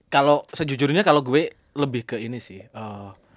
kalau sejujurnya kalau gue lebih ke ini sih